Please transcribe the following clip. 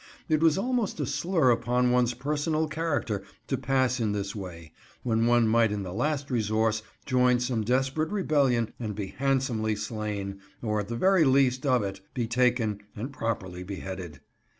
It was almost a slur upon one's personal character to pass in this way, when one might in the last resource join some desperate rebellion and be handsomely slain; or at the very least of it, be taken and properly beheaded.